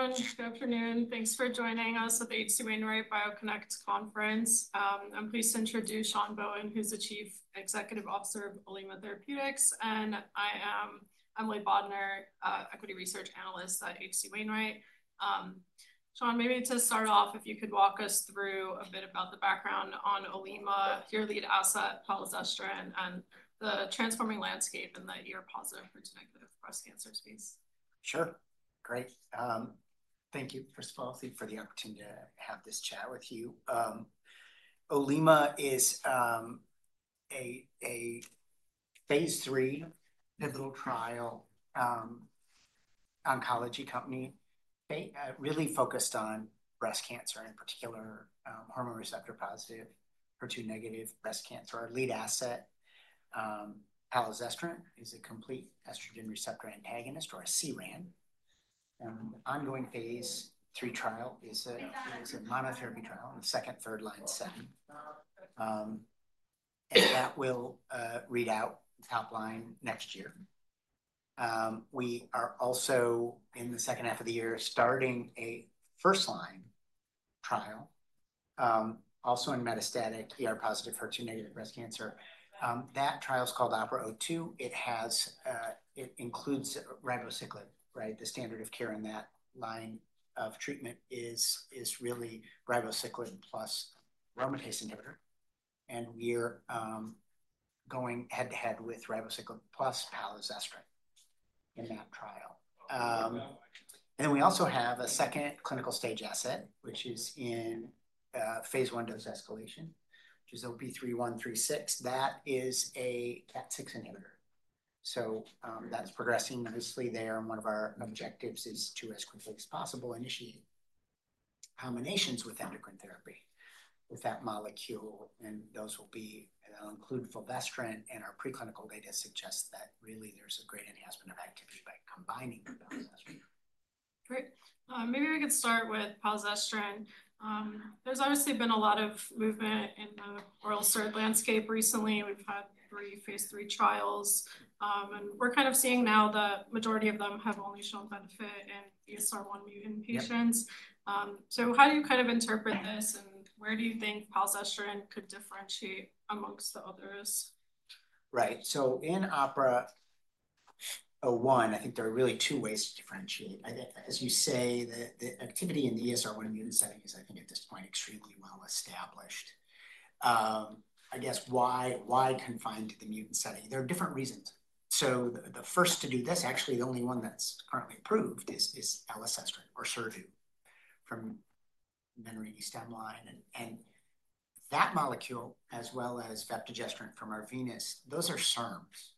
Hi, everyone. Good afternoon. Thanks for joining us at the HC Wainwright BioConnect Conference. I'm pleased to introduce Sean Bohen, who's the Chief Executive Officer of Olema Pharmaceuticals. I am Emily Bodnar, Equity Research Analyst at HC Wainwright. Sean, maybe to start off, if you could walk us through a bit about the background on Olema, your lead asset, palazestrant, and the transforming landscape in the ER-positive versus negative breast cancer space. Sure. Great. Thank you, first of all, for the opportunity to have this chat with you. Olema is a phase three pivotal trial oncology company really focused on breast cancer, in particular hormone receptor positive, HER2 negative breast cancer. Our lead asset, palazestrant, is a complete estrogen receptor antagonist, or a CERAN. The ongoing phase three trial is a monotherapy trial in the second, third line setting. That will read out top line next year. We are also, in the second half of the year, starting a first line trial, also in metastatic ER-positive, HER2 negative breast cancer. That trial is called OPERA-02. It includes ribociclib, right? The standard of care in that line of treatment is really ribociclib plus aromatase inhibitor. We are going head to head with ribociclib plus palazestrant in that trial. We also have a second clinical stage asset, which is in phase one dose escalation, which is OP-3136. That is a KAT6 inhibitor. That's progressing nicely there. One of our objectives is to, as quickly as possible, initiate combinations with endocrine therapy with that molecule. Those will include fulvestrant. Our preclinical data suggests that really there's a great enhancement of activity by combining the palazestrant. Great. Maybe we could start with palazestrant. There's obviously been a lot of movement in the oral SERD landscape recently. We've had three phase three trials. We are kind of seeing now the majority of them have only shown benefit in ESR1 mutant patients. How do you kind of interpret this? Where do you think palazestrant could differentiate amongst the others? Right. In OPERA-01, I think there are really two ways to differentiate. As you say, the activity in the ESR1 mutant setting is, I think, at this point extremely well established. I guess, why confine to the mutant setting? There are different reasons. The first to do this, actually, the only one that's currently approved is elacestrant, or Sirtu, from memory of the Stemline. That molecule, as well as camizestrant from Arvinas, those are SERMs.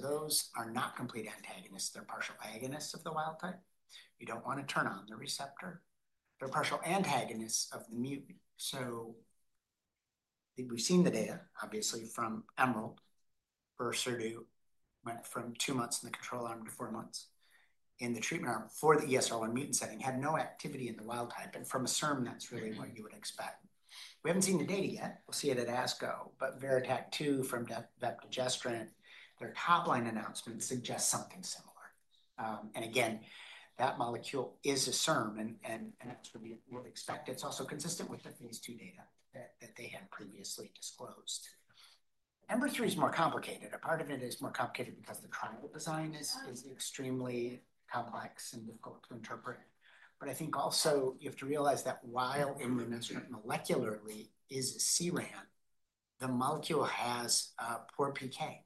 Those are not complete antagonists. They're partial agonists of the wild type. You do not want to turn on the receptor. They're partial antagonists of the mutant. We have seen the data, obviously, from EMERALD, where Sirtu went from two months in the control arm to four months in the treatment arm for the ESR1 mutant setting, had no activity in the wild type. From a SERM, that's really what you would expect. We haven't seen the data yet. We'll see it at ASCO. VeraTac2 from camizestrant, their top line announcement suggests something similar. That molecule is a SERM, and that's what we would expect. It's also consistent with the phase two data that they had previously disclosed. EMBA-03 is more complicated. A part of it is more complicated because the trial design is extremely complex and difficult to interpret. I think also you have to realize that while EMBA-03 molecularly is a CERAN, the molecule has poor PK,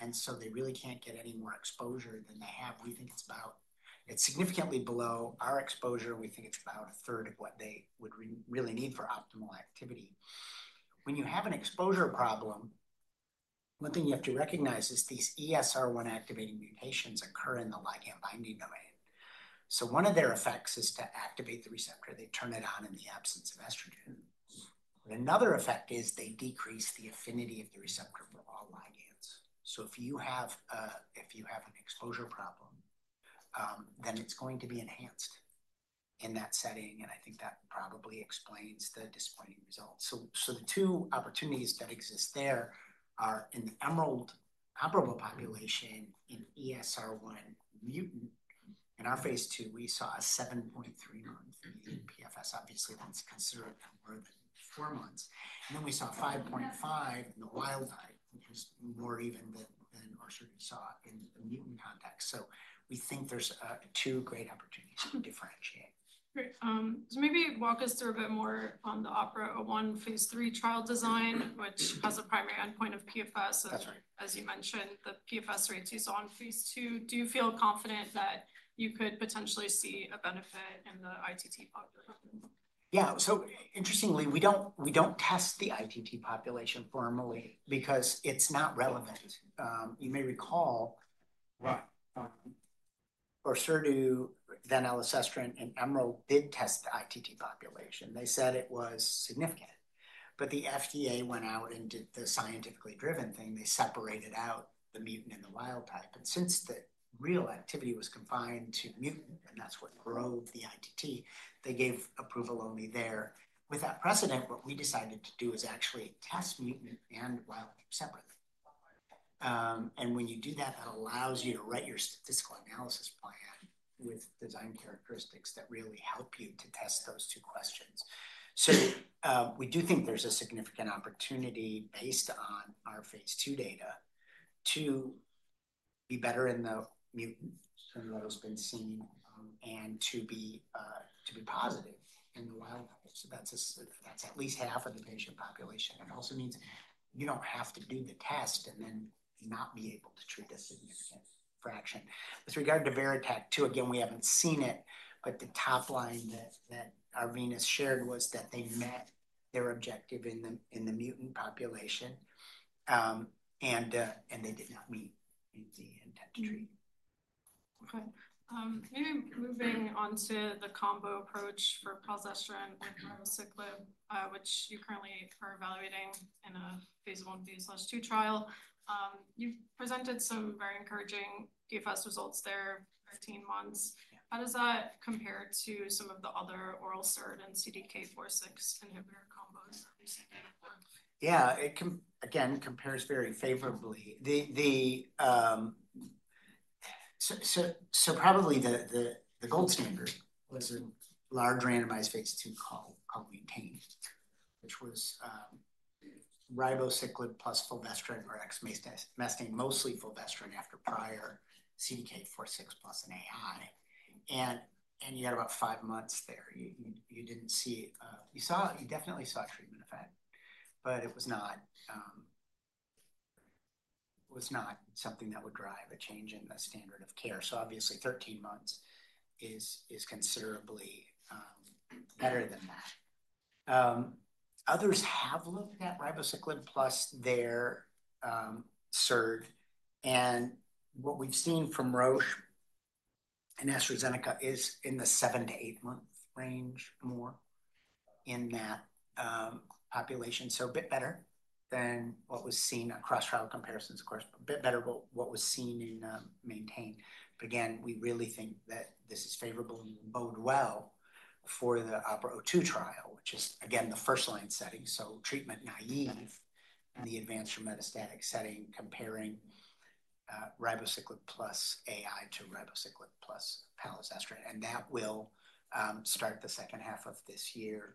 and so they really can't get any more exposure than they have. We think it's about—it's significantly below our exposure. We think it's about a third of what they would really need for optimal activity. When you have an exposure problem, one thing you have to recognize is these ESR1 activating mutations occur in the ligand binding domain. One of their effects is to activate the receptor. They turn it on in the absence of estrogen. Another effect is they decrease the affinity of the receptor for all ligands. If you have an exposure problem, then it's going to be enhanced in that setting. I think that probably explains the disappointing results. The two opportunities that exist there are in the Emerald comparable population in ESR1 mutant. In our phase two, we saw a 7.3 month PFS. Obviously, that's considered more than four months. We saw 5.5 in the wild type, which is more even than our surgery saw in the mutant context. We think there's two great opportunities to differentiate. Great. So maybe walk us through a bit more on the OPERA-01 phase three trial design, which has a primary endpoint of PFS. That's right. As you mentioned, the PFS rate is on phase two. Do you feel confident that you could potentially see a benefit in the ITT population? Yeah. So interestingly, we don't test the ITT population formally because it's not relevant. You may recall for elacestrant, then elacestrant, and EMERALD did test the ITT population. They said it was significant. The FDA went out and did the scientifically driven thing. They separated out the mutant and the wild type. Since the real activity was confined to mutant, and that's what drove the ITT, they gave approval only there. With that precedent, what we decided to do is actually test mutant and wild separately. When you do that, that allows you to write your statistical analysis plan with design characteristics that really help you to test those two questions. We do think there's a significant opportunity based on our phase two data to be better in the mutant than what has been seen and to be positive in the wild type. That's at least half of the patient population. It also means you don't have to do the test and then not be able to treat a significant fraction. With regard to VeraTac2, again, we haven't seen it. The top line that Arvinas shared was that they met their objective in the mutant population. They did not meet the intent to treat. Okay. Maybe moving on to the combo approach for palazestrant and ribociclib, which you currently are evaluating in a phase one phase two trial. You've presented some very encouraging PFS results there for 13 months. How does that compare to some of the other oral SERD and CDK4/6 inhibitor combos that you've seen? Yeah. Again, it compares very favorably. Probably the gold standard was a large randomized phase two called MAINTAIN, which was ribociclib plus fulvestrant, or exemestane, mostly fulvestrant after prior CDK4/6 plus an AI. You had about five months there. You definitely saw a treatment effect. It was not something that would drive a change in the standard of care. Obviously, 13 months is considerably better than that. Others have looked at ribociclib plus their SERD. What we've seen from Roche and AstraZeneca is in the seven- to eight-month range more in that population. A bit better than what was seen across trial comparisons, of course. A bit better than what was seen in MAINTAIN. Again, we really think that this is favorable and will bode well for the OPERA-02 trial, which is, again, the first line setting. Treatment naive in the advanced or metastatic setting, comparing ribociclib plus AI to ribociclib plus palazestrant. That will start the second half of this year.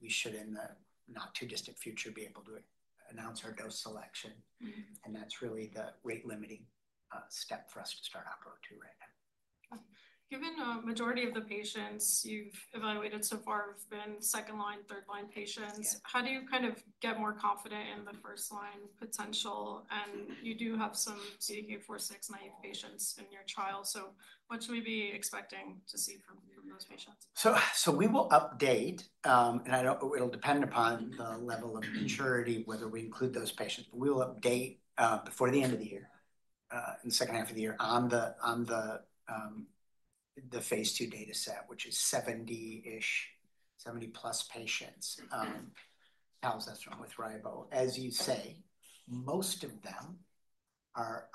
We should, in the not too distant future, be able to announce our dose selection. That's really the rate limiting step for us to start OPERA-02 right now. Given the majority of the patients you've evaluated so far have been second line, third line patients, how do you kind of get more confident in the first line potential? You do have some CDK4/6 naive patients in your trial. What should we be expecting to see from those patients? We will update, and it'll depend upon the level of maturity, whether we include those patients. We will update before the end of the year, in the second half of the year, on the phase two data set, which is 70-ish, 70-plus patients with palazestrant with ribo. As you say, most of them are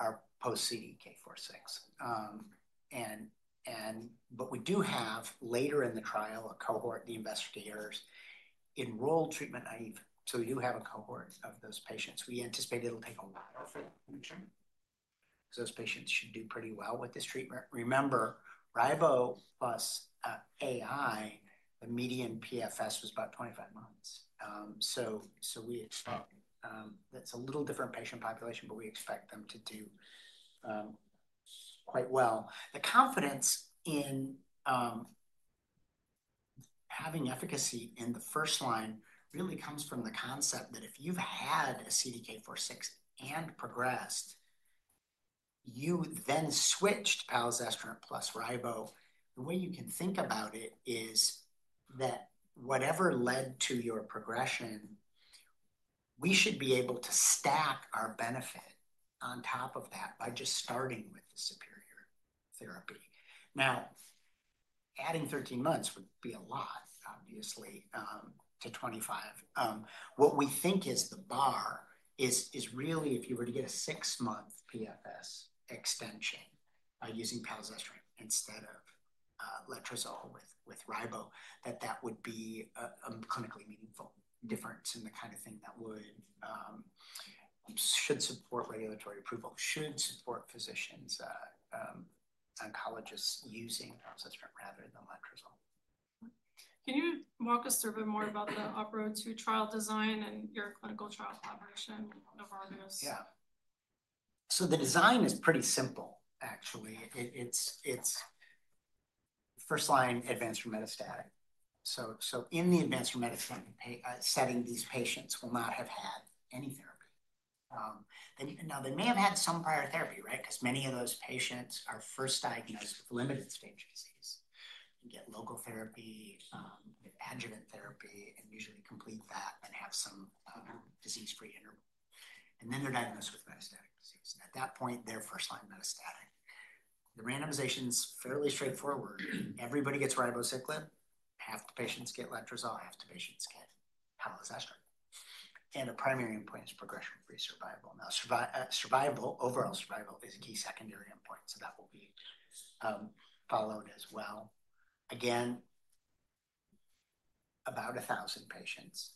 post-CDK4/6. We do have, later in the trial, a cohort of investigators enrolled treatment naive. We do have a cohort of those patients. We anticipate it'll take a while for that to mature. Those patients should do pretty well with this treatment. Remember, ribo plus AI, the median PFS was about 25 months. That's a little different patient population, but we expect them to do quite well. The confidence in having efficacy in the first line really comes from the concept that if you've had a CDK4/6 and progressed, you then switched palazestrant plus ribo. The way you can think about it is that whatever led to your progression, we should be able to stack our benefit on top of that by just starting with the superior therapy. Now, adding 13 months would be a lot, obviously, to 25. What we think is the bar is really, if you were to get a six-month PFS extension by using palazestrant instead of letrozole with ribo, that that would be a clinically meaningful difference in the kind of thing that should support regulatory approval, should support physicians, oncologists using palazestrant rather than letrozole. Can you walk us through a bit more about the OPERA-02 trial design and your clinical trial collaboration with Novartis? Yeah. So the design is pretty simple, actually. It's first line advanced or metastatic. In the advanced or metastatic setting, these patients will not have had any therapy. Now, they may have had some prior therapy, right? Because many of those patients are first diagnosed with limited stage disease and get local therapy, adjuvant therapy, and usually complete that and have some disease-free interval. Then they're diagnosed with metastatic disease. At that point, they're first line metastatic. The randomization is fairly straightforward. Everybody gets ribociclib. Half the patients get letrozole. Half the patients get palazestrant. The primary endpoint is progression-free survival. Overall survival is a key secondary endpoint. That will be followed as well. Again, about 1,000 patients.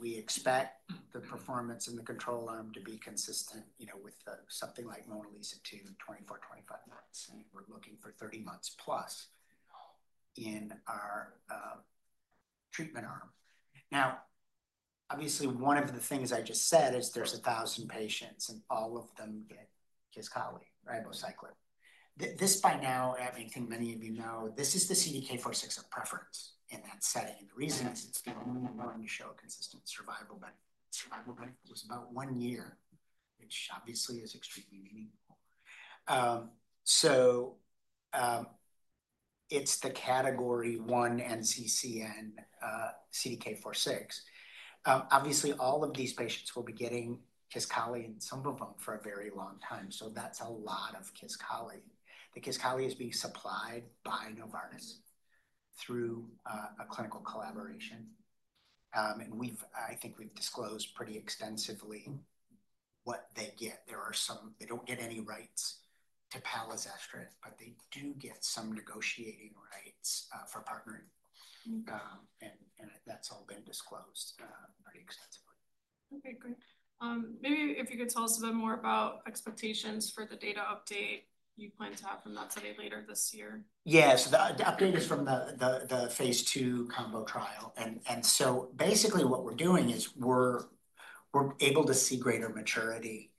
We expect the performance in the control arm to be consistent with something like MONALEESA-2, 24-25 months. We're looking for 30 months plus in our treatment arm. Now, obviously, one of the things I just said is there's 1,000 patients, and all of them get Kisqali, ribociclib. This, by now, I think many of you know, this is the CDK4/6 of preference in that setting. The reason is it's the only one to show consistent survival benefit. Survival benefit was about one year, which obviously is extremely meaningful. It's the category one NCCN CDK4/6. Obviously, all of these patients will be getting Kisqali and some of them for a very long time. That's a lot of Kisqali. The Kisqali is being supplied by Novartis through a clinical collaboration. I think we've disclosed pretty extensively what they get. They don't get any rights to palazestrant, but they do get some negotiating rights for partnering. That's all been disclosed pretty extensively. Okay. Great. Maybe if you could tell us a bit more about expectations for the data update you plan to have from that study later this year. Yes. The update is from the phase two combo trial. Basically, what we're doing is we're able to see greater maturity,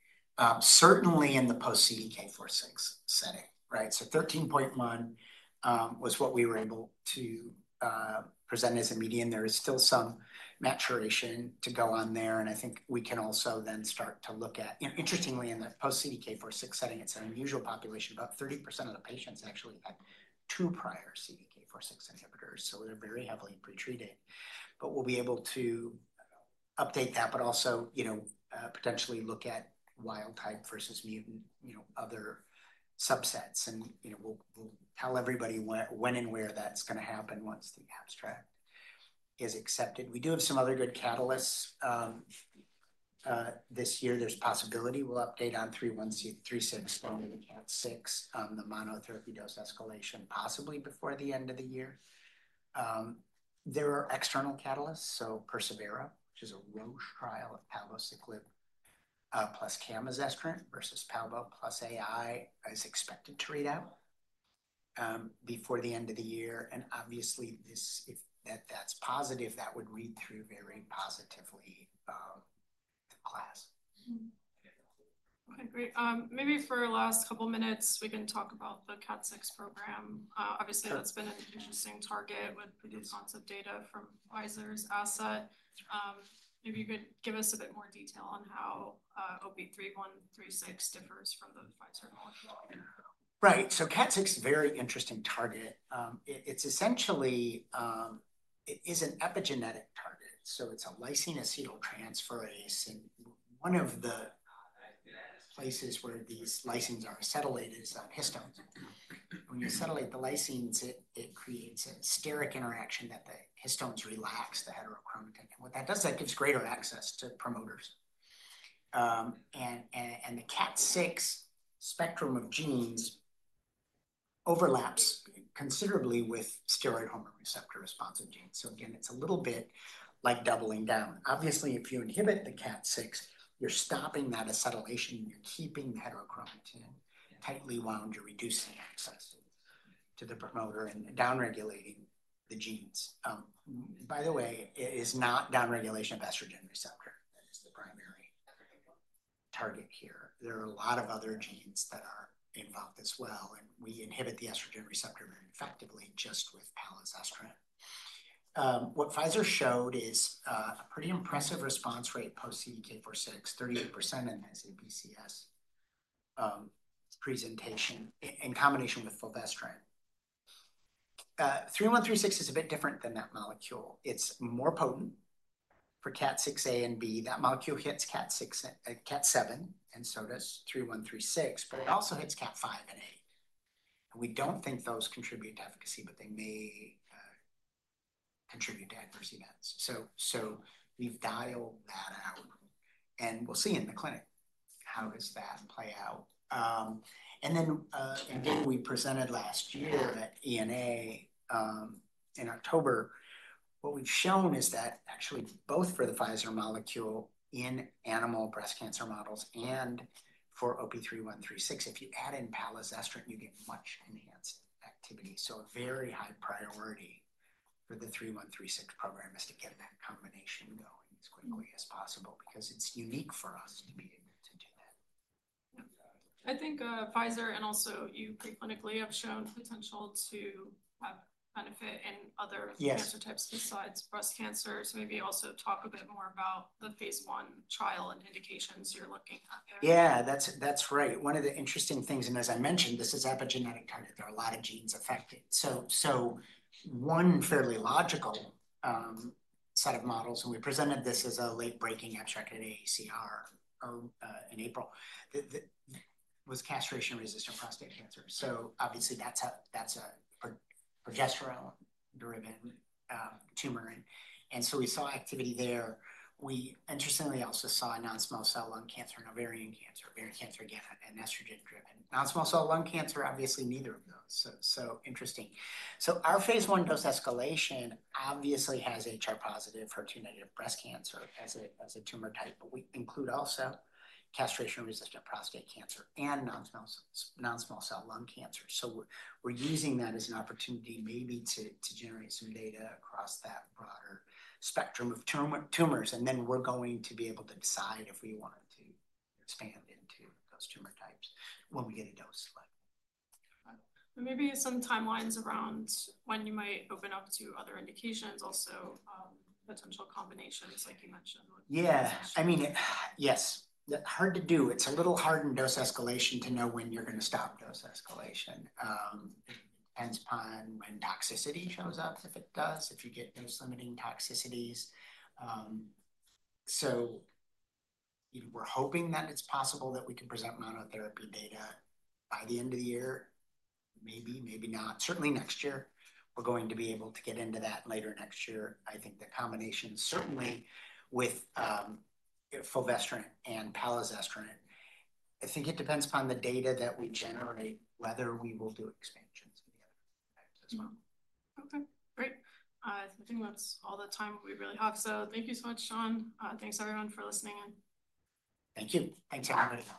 certainly in the post-CDK4/6 setting, right? 13.1 was what we were able to present as a median. There is still some maturation to go on there. I think we can also then start to look at, interestingly, in the post-CDK4/6 setting, it's an unusual population. About 30% of the patients actually had two prior CDK4/6 inhibitors. They're very heavily pretreated. We'll be able to update that, but also potentially look at wild type versus mutant, other subsets. We'll tell everybody when and where that's going to happen once the abstract is accepted. We do have some other good catalysts this year. There's possibility we'll update on OP-3136, 486, the monotherapy dose escalation, possibly before the end of the year. There are external catalysts. Persevera, which is a Roche trial of ribociclib plus camizestrant versus palbociclib plus AI, is expected to read out before the end of the year. Obviously, if that's positive, that would read through very positively the class. Okay. Great. Maybe for the last couple of minutes, we can talk about the KAT6 program. Obviously, that's been an interesting target with the new concept data from Pfizer's asset. Maybe you could give us a bit more detail on how OP-3136 differs from the Pfizer molecule. Right. CAT6 is a very interesting target. It's essentially an epigenetic target. It's a lysine-acetyltransferase. One of the places where these lysines are acetylated is on histones. When you acetylate the lysines, it creates a steric interaction that the histones relax the heterochromatin. What that does, that gives greater access to promoters. The CAT6 spectrum of genes overlaps considerably with steroid hormone receptor responsive genes. Again, it's a little bit like doubling down. Obviously, if you inhibit the CAT6, you're stopping that acetylation. You're keeping the heterochromatin tightly wound. You're reducing access to the promoter and downregulating the genes. By the way, it is not downregulation of estrogen receptor that is the primary target here. There are a lot of other genes that are involved as well. We inhibit the estrogen receptor very effectively just with palazestrant. What Pfizer showed is a pretty impressive response rate post-CDK4/6, 38% in the SABCS presentation in combination with fulvestrant. OP-3136 is a bit different than that molecule. It's more potent for KAT6A and B. That molecule hits KAT7 and so does OP-3136, but it also hits KAT5 and A. We don't think those contribute to efficacy, but they may contribute to adverse events. We have dialed that out. We will see in the clinic how does that play out. We presented last year at ENA in October. What we've shown is that actually both for the Pfizer molecule in animal breast cancer models and for OP-3136, if you add in palazestrant, you get much enhanced activity. A very high priority for the OP-3136 program is to get that combination going as quickly as possible because it's unique for us to be able to do that. I think Pfizer and also you preclinically have shown potential to have benefit in other cancer types besides breast cancer. Maybe also talk a bit more about the phase I trial and indications you're looking at there. Yeah. That's right. One of the interesting things, and as I mentioned, this is an epigenetic target. There are a lot of genes affected. So one fairly logical set of models, and we presented this as a late-breaking abstract at AACR in April, was castration-resistant prostate cancer. Obviously, that's a progesterone-driven tumor. We saw activity there. We, interestingly, also saw non-small cell lung cancer and ovarian cancer, ovarian cancer again, and estrogen-driven. Non-small cell lung cancer, obviously, neither of those. Interesting. Our phase one dose escalation obviously has HR positive, HER2 negative breast cancer as a tumor type. We include also castration-resistant prostate cancer and non-small cell lung cancer. We're using that as an opportunity maybe to generate some data across that broader spectrum of tumors. We're going to be able to decide if we want to expand into those tumor types when we get a dose select. Maybe some timelines around when you might open up to other indications, also potential combinations like you mentioned. Yeah. I mean, yes. Hard to do. It's a little hard in dose escalation to know when you're going to stop dose escalation. It depends upon when toxicity shows up, if it does, if you get dose-limiting toxicities. So we're hoping that it's possible that we can present monotherapy data by the end of the year. Maybe, maybe not. Certainly next year, we're going to be able to get into that later next year. I think the combination certainly with Fulvestrant and palazestrant. I think it depends upon the data that we generate whether we will do expansions in the other types as well. Okay. Great. I think that's all the time we really have. So thank you so much, Sean. Thanks, everyone, for listening in. Thank you. Thanks a lot.